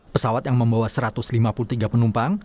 pesawat yang membawa satu ratus lima puluh tiga penumpang